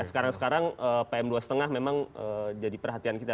sekarang sekarang pm dua lima memang jadi perhatian kita